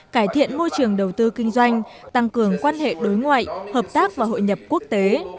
cải thiện môi trường đầu tư kinh doanh tăng cường quan hệ đối ngoại hợp tác và hội nhập quốc tế